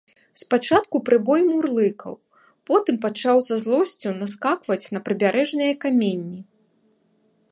Спачатку прыбой мурлыкаў, потым пачаў са злосцю наскакваць на прыбярэжныя каменні.